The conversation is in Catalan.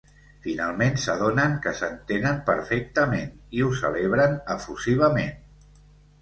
Finalment s’adonen que s’entenen perfectament i ho celebren efusivament.